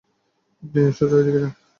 আপনি সোজা ঐদিকে যান।